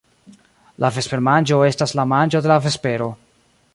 La vespermanĝo estas la manĝo de la vespero.